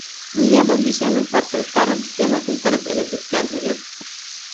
Ниңә был бисәнең портреттарын стена тултырып элеп бөткәнһегеҙ?